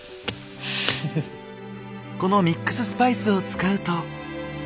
このミックススパイスを使うと。